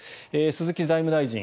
鈴木財務大臣